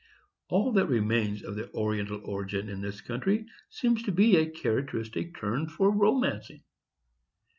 All that remains of their Oriental origin in this country seems to be a characteristic turn for romancing.